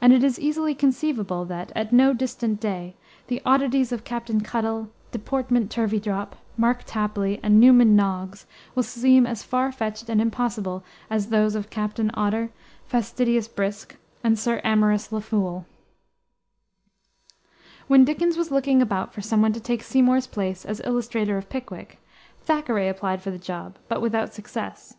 And it is easily conceivable that, at no distant day, the oddities of Captain Cuttle, Deportment Turveydrop, Mark Tapley, and Newman Noggs will seem as far fetched and impossible as those of Captain Otter, Fastidious Brisk, and Sir Amorous La Foole. When Dickens was looking about for some one to take Seymour's place as illustrator of Pickwick, Thackeray applied for the job, but without success.